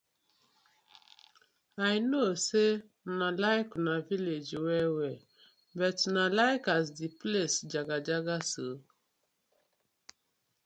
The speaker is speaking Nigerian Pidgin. I no say una like una villag well well but una like as di place jagajaga so?